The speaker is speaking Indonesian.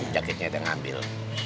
jaketnya ada ngambil